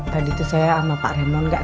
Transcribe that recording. tadi tuh saya sama pak raymond gak sempet